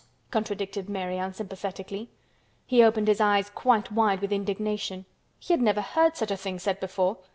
contradicted Mary unsympathetically. He opened his eyes quite wide with indignation. He had never heard such a thing said before.